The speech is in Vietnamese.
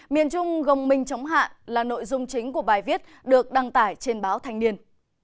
miền trung gồng minh chống hạn là nội dung chính của bài viết được đăng tải trên báo thanh niên